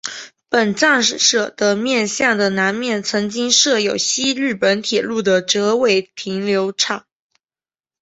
本站舍的面向的南面曾经设有西日本铁道的折尾停留场。